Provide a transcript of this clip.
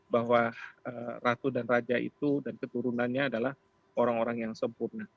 bahwa ratu dan raja itu dan keturunannya adalah orang orang yang sempurna